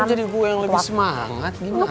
kok jadi gue yang lebih semangat gimana sih